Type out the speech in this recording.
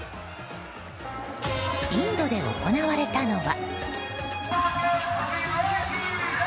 インドで行われたのは。